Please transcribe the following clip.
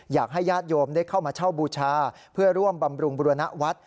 อยากให้ญาติโยมได้เข้ามาเช่าบูชาเพื่อร่วมบำรุงบริวณะวัด